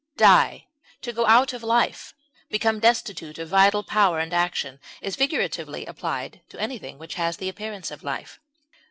Die, to go out of life, become destitute of vital power and action, is figuratively applied to anything which has the appearance of life.